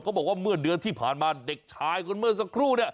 บอกว่าเมื่อเดือนที่ผ่านมาเด็กชายคนเมื่อสักครู่เนี่ย